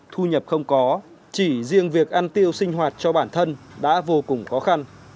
thu nhập không có chỉ riêng việc ăn tiêu sinh hoạt cho bản thân đã vô cùng khó khăn